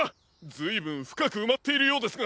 ずいぶんふかくうまっているようですが。